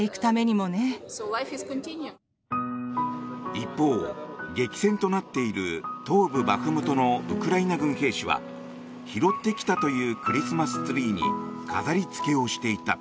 一方、激戦となっている東部バフムトのウクライナ軍兵士は拾ってきたというクリスマスツリーに飾り付けをしていた。